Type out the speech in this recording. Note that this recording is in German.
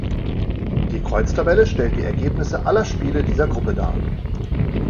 Die Kreuztabelle stellt die Ergebnisse aller Spiele dieser Gruppe dar.